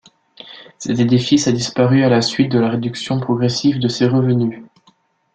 Cet édifice a disparu à la suite de la réduction progressive de ses revenus.